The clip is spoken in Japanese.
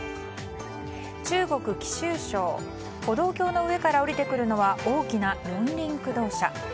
中国・貴州省歩道橋の上から下りてくるのは大きな四輪駆動車。